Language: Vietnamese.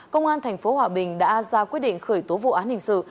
công an thành phố hòa bình đã ra quyết định khởi tố vụ án hình sự